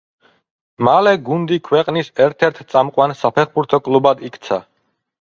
მალე გუნდი ქვეყნის ერთ-ერთ წამყვან საფეხბურთო კლუბად იქცა.